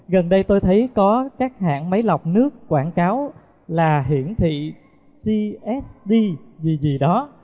gần đây tôi thấy có các hãng máy lọc nước quảng cáo là hiển thị tsd gì gì đó